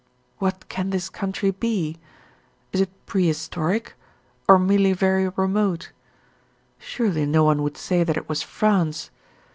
What can this country be? Is it prehistoric, or merely very remote? Surely no one would say that it was France.